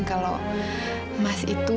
kalau mas itu